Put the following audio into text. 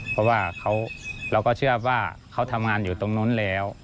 เพราะว่าเราก็เชื่อว่าเขาทำงานอยู่ตรงนู้นแล้ว